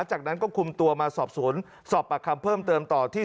จากนั้นก็คุมตัวมาสอบสวนสอบปากคำเพิ่มเติมต่อที่